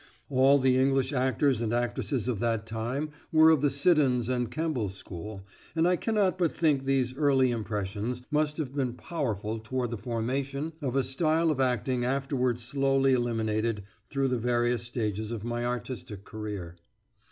All the English actors and actresses of that time were of the Siddons and Kemble school, and I cannot but think these early impressions must have been powerful toward the formation of a style of acting afterward slowly eliminated through the various stages of my artistic career.